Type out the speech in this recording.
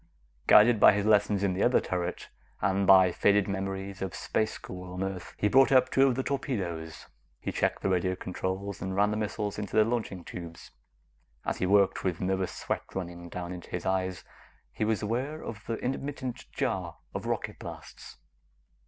Guided by his lessons in the other turret, and by faded memories of space school on Earth, he brought up two of the torpedoes. He checked the radio controls and ran the missiles into their launching tubes. As he worked, with nervous sweat running down into his eyes, he was aware of the intermittent jar of rocket blasts.